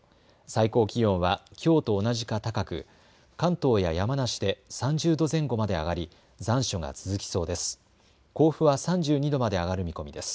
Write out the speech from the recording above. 最高気温はきょうと同じか高く関東や山梨で３０度前後まで上がり残暑が続きそうです。